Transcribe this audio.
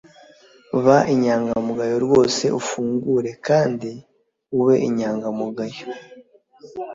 Ba inyangamugayo rwose ufungure kandi ube inyangamugayo